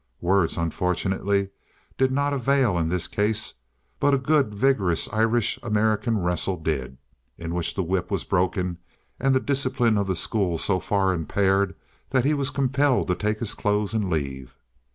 Words, unfortunately, did not avail in this case, but a good, vigorous Irish American wrestle did, in which the whip was broken and the discipline of the school so far impaired that he was compelled to take his clothes and leave.